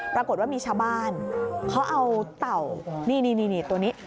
ปรากฏว่ามีชาวบ้านเขาเอาเต่านี่ตัวนี้